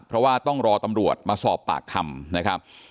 เพราะว่าต้องรอตำรวจมาสอบปากคำนะครับ